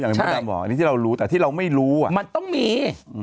อันนี้ที่เรารู้แต่ที่เราไม่รู้มันต้องมี